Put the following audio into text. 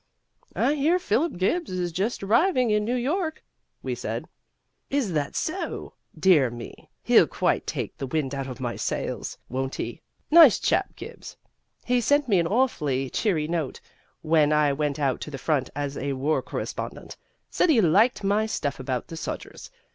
"I hear Philip Gibbs is just arriving in New York," we said. "Is that so? Dear me, he'll quite take the wind out of my sails, won't he? Nice chap, Gibbs. He sent me an awfully cheery note when I went out to the front as a war correspondent. Said he liked my stuff about the sodgers.